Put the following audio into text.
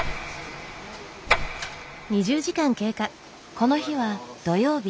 この日は土曜日。